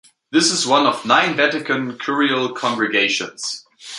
This is one of nine Vatican Curial congregations.